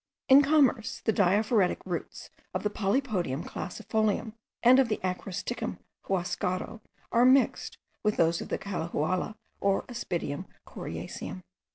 In commerce the diaphoretic roots of the Polypodium crassifolium, and of the Acrostichum huascaro, are mixed with those of the calahuala or Aspidium coriaceum.)